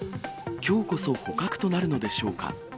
きょうこそ捕獲となるのでしょうか。